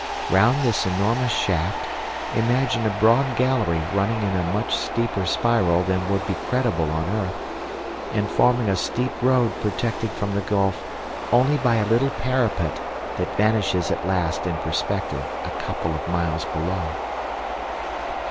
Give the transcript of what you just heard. Round this enormous shaft imagine a broad gallery running in a much steeper spiral than would be credible on earth, and forming a steep road protected from the gulf only by a little parapet that vanishes at last in perspective a couple of miles below.